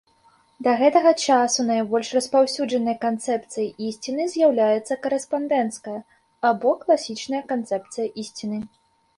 Да гэтага часу найбольш распаўсюджанай канцэпцыяй ісціны з'яўляецца карэспандэнцкая або класічная канцэпцыя ісціны.